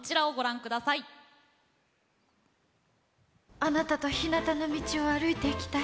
あなたとひなたの道を歩いていきたい。